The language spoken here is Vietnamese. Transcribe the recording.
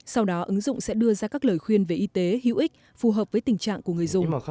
sau đó ứng dụng sẽ đưa ra các lời khuyên về y tế hữu ích phù hợp với tình trạng của người dùng